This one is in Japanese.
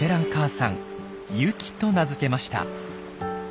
ユキと名付けました。